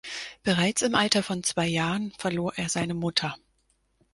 Bereits im Alter von zwei Jahren verlor er seine Mutter.